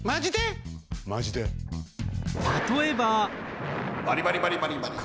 たとえばバリバリバリバリバリ。